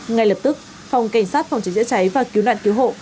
ngay lập tức phòng cảnh sát phòng cháy chữa cháy và cứu nạn cứu hộ